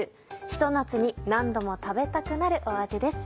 ひと夏に何度も食べたくなる味です。